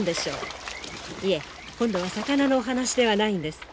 いえ今度は魚のお話ではないんです。